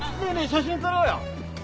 写真撮ろうよ！